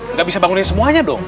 nggak bisa bangunin semuanya dong